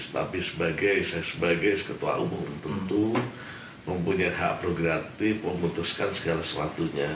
tapi saya sebagai ketua umum tentu mempunyai hak progratif memutuskan segala sesuatunya